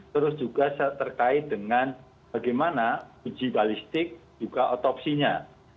terus juga terkait dengan bagaimana uji balistik juga otopsinya